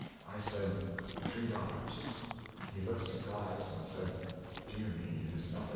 I said "Three dollars." He looked surprised, and said, "Dear me, it is nothing!